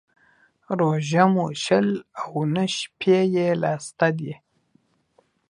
روژه مو شل او نه شپې يې لا سته دى.